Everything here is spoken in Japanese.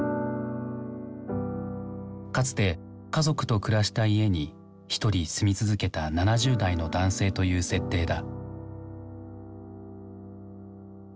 かつて家族と暮らした家にひとり住み続けた７０代の男性という設定だ。